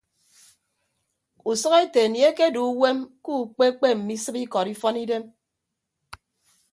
Usʌk ete anie ekedu uwem ke ukpe kpe mme isịp ikọd ifọn idem.